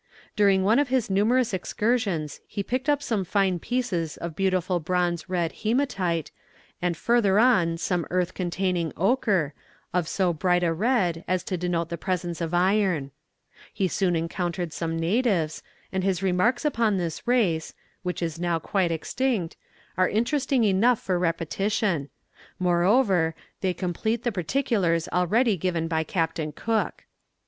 During one of his numerous excursions he picked up some fine pieces of beautiful bronze red hæmatite, and further on some earth containing ochre, of so bright a red as to denote the presence of iron. He soon encountered some natives, and his remarks upon this race, which is now quite extinct, are interesting enough for repetition; moreover, they complete the particulars already given by Captain Cook.